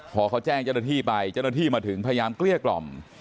พอเขาแจ้งเจ้าหน้าที่ไปเจ้าหน้าที่มาถึงพยายามเกลี้ยกล่อม